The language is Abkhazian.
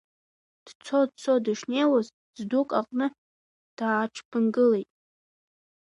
Дцо, дцо дышнеиуаз ӡдук аҟны дааҽԥынгылеит.